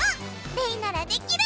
レイならできる！